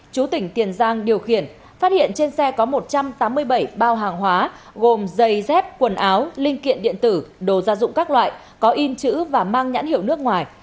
chú tỉnh tiền giang điều khiển phát hiện trên xe có một trăm tám mươi bảy bao hàng hóa gồm giày dép quần áo linh kiện điện tử đồ gia dụng các loại có in chữ và mang nhãn hiệu nước ngoài